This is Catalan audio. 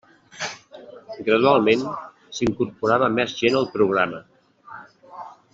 Gradualment s'incorporava més gent al programa.